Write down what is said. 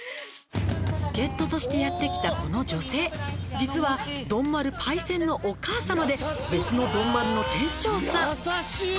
「助っ人としてやって来たこの女性」「実は丼丸パイセンのお母さまで別の丼丸の店長さん」